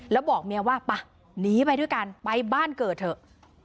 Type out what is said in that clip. แล้วบอกเมียว่าป่ะหนีไปด้วยกันไปบ้านเกิดเถอะ